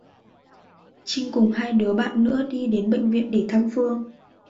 Trinh cùng hai đứa bạn nữa đi đến bệnh viện để thăm Phương